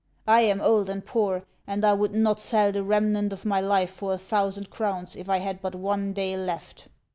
I am old and poor, and I would not sell the remnant of my life for a thousand crowns if 1 had but one day left."